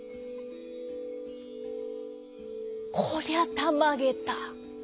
「こりゃたまげた！